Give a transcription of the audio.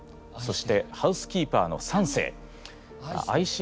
そしてハウスキーパーのサンセイ。